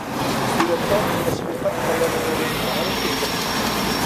سۈرەتتە: تەشۋىقات تايانچلىرى ماھارەت كۆرسەتمەكتە.